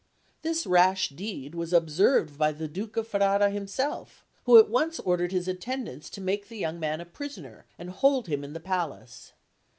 This rash deed was observed by the Duke of Ferrara himself, who at once ordered his attendants to make the young man a prisoner and hold him in the palace.